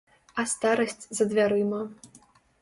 А старасць за дзвярыма.